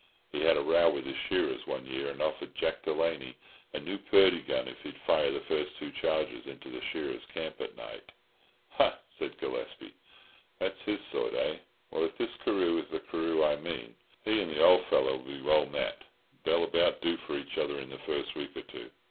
He had a row with his shearers one year, and offered Jack Delaney a new Purdey gun if he'd fire the first two charges into the shearers' camp at night." "Ha!" said Gillespie. "That's his sort, eh? Well, if this Carew is the Carew I mean, he and the old fellow will be well met. They'll about do for each other in the first week or two."